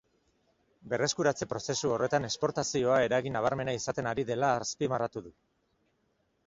Berreskuratze prozesu horretan exportazioa eragin nabarmena izaten ari dela azpimarratu du.